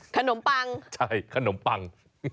ปังใช่ขนมปัง